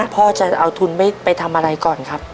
พ่อจะเอาทุนไปทำอะไรก่อนครับ